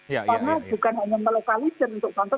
karena bukan hanya melokalisir untuk kantor